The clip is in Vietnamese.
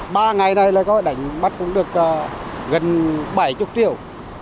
ba ngày này là coi đánh bắt cũng được gần bảy mươi triệu